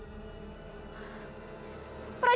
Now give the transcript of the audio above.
tolong panggilkan senopati arga ke sini sekarang